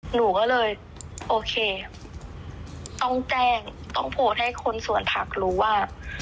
หนูก็เลยโอเคต้องแจ้งต้องโพสต์ให้คนส่วนผักรู้ว่า